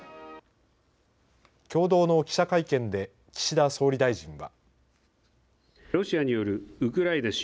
共同の記者会見で岸田総理大臣は。